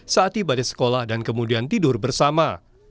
saat tiba di sekolah dan kemudian tidur bersama